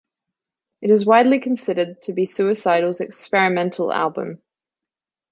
It is widely considered to be Suicidal's "experimental" album.